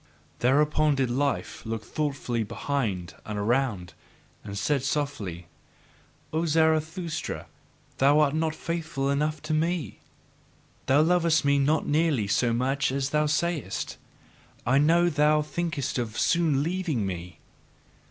Thereupon did Life look thoughtfully behind and around, and said softly: "O Zarathustra, thou art not faithful enough to me! Thou lovest me not nearly so much as thou sayest; I know thou thinkest of soon leaving me.